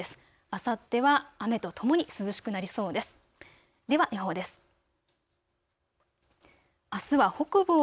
あさっては雨とともに涼しくなりそうです。